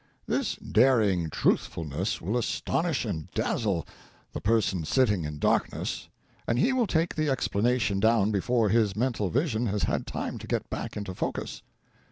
This daring truthfulness will astonish and dazzle the Person Sitting in Darkness, arid he will take the Explanation down before his mental vision has had time to get back into focus.